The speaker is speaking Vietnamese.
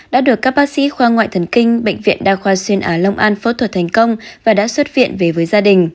đã được các bác sĩ khoa ngoại thần kinh bệnh viện đa khoa xuyên á long an phẫu thuật thành công và đã xuất viện về với gia đình